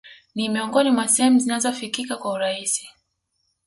Ni miongoni mwa sehemu zinazofikika kwa urahisi